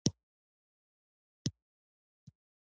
د غور په تیوره کې د سیماب نښې شته.